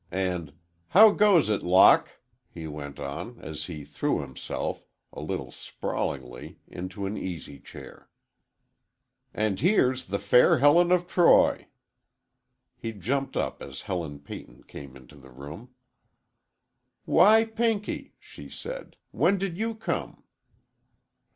and "How goes it, Lock?" he went on, as he threw himself, a little sprawlingly into an easy chair. "And here's the fair Helen of Troy." He jumped up as Helen Peyton came into the room. "Why, Pinky," she said, "when did you come?"